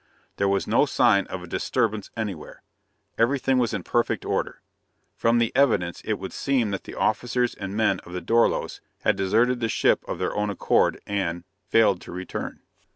There was no sign of a disturbance anywhere. Everything was in perfect order. From the evidence, it would seem that the officers and men of the Dorlos had deserted the ship of their own accord, and failed to return.